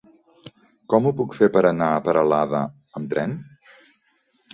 Com ho puc fer per anar a Peralada amb tren?